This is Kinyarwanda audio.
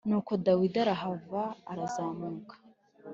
Nuko Dawidi arahava arazamuka